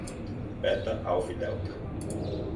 Beta, alfa, delta